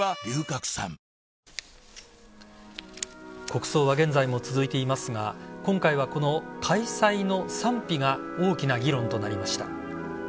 国葬は現在も続いていますが今回はこの開催の賛否が大きな議論となりました。